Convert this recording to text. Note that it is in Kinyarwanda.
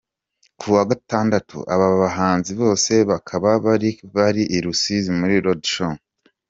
Kuwa Gatandatu aba bahanzi bose bakaba bari bari I Rusizi muri Road show.